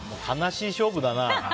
悲しい勝負だな。